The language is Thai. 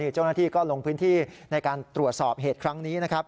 เจ้าหน้าที่ก็ลงพื้นที่ในการตรวจสอบเหตุครั้งนี้นะครับ